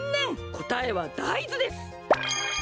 こたえはだいずです。